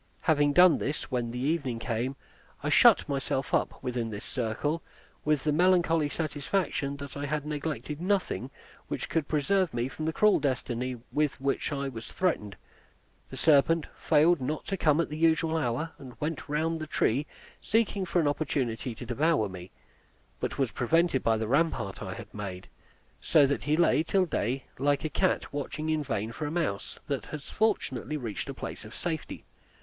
Having done this, when the evening came, I shut myself up within this circle, with the melancholy satisfaction that I had neglected nothing which could preserve me from the cruel destiny with which I was threatened. The serpent failed not to come at the usual hour, and went round the tree seeking for an opportunity to devour me, but was prevented by the rampart I had made; so that he lay till day, like a cat watching in vain for a mouse that has fortunately reached a place of safety.